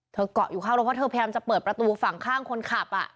เกาะอยู่ข้างรถเพราะเธอพยายามจะเปิดประตูฝั่งข้างคนขับ